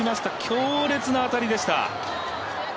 強烈な当たりでした。